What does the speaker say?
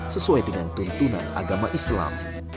sesuai dengan tuntunan agama islam